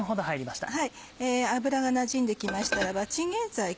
油がなじんで来ましたらばチンゲンサイ